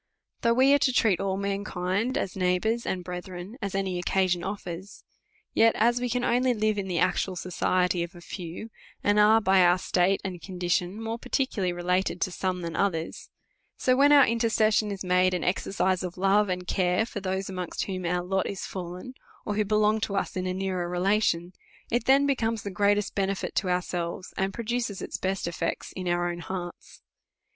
Though we arc to treat all mankind as neighbours and brethren, as any occasion offers ; yet as we can only live in the actunl society of a few, and are by our state and condition more particularly related to some DEVOUT AND HOLY LIFE. 295 than others; so when our intercession is made an exercise of love and care for those amongst whom our lot is fallen, or who belong to us in a near lelation, it then becomes the greatest benefit to ourselves, and produces its best effects in our own hearts.